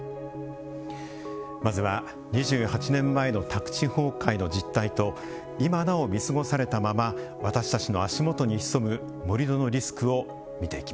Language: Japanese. まずは２８年前の宅地崩壊の実態と今なお見過ごされたまま私たちの足元に潜む盛土のリスクを見ていきます。